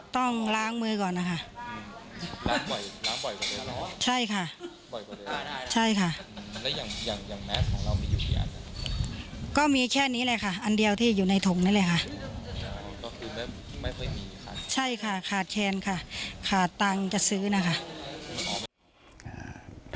ต้องล้างมือก่อนนะคะใช่ค่ะใช่ค่ะก็มีแค่นี้เลยค่ะอันเดียวที่อยู่ในถุงนี้เลยค่ะใช่ค่ะขาดแคลนค่ะขาดตังค์จะซื้อนะคะ